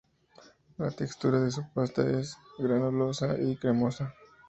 La textura de su pasta es granulosa y cremosa.